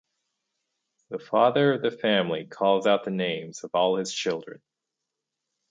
The father of the family calls out the names of all his children.